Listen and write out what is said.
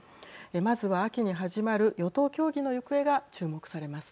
まずは秋に始まる与党協議の行方が注目されます。